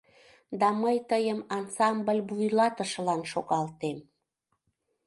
Да мый тыйым ансамбль вуйлатышылан шогалтем.